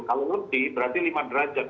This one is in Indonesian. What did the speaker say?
kalau lebih berarti lima derajat